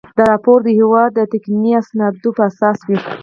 دا راپور د هیواد د تقنیني اسنادو په اساس وي.